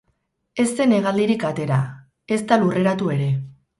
Ez zen hegaldirik atera, ezta lurreratu ere.